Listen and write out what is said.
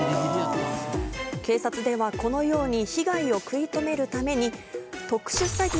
警察ではこのように被害を食い止めるために。